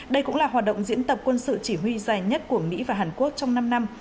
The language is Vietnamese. đây cũng là hoạt động diễn tập quân sự chỉ huy dài nhất của mỹ và hàn quốc trong năm năm